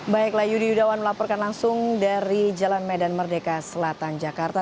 baiklah yudi yudawan melaporkan langsung dari jalan medan merdeka selatan jakarta